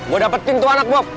gua dapetin tuh anak bob